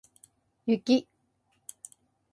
雪